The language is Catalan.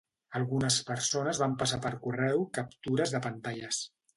Algunes persones van passar per correu captures de pantalles